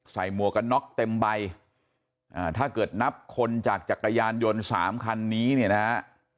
ใส่มวกน็อกเต็มใบถ้าเกิดนับคนจากจักรยานยนต์๓คันนี้เนี่ยนะฮะ